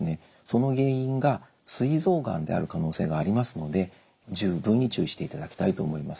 その原因がすい臓がんである可能性がありますので十分に注意していただきたいと思います。